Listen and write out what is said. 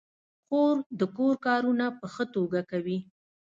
خور د کور کارونه په ښه توګه کوي.